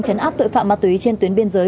chấn áp tội phạm ma túy trên tuyến biên giới